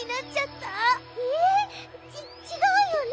ええっ？ちちがうよね？